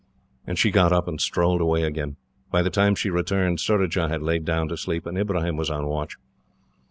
And she got up and strolled away again. By the time she returned, Surajah had lain down to sleep, and Ibrahim was on watch.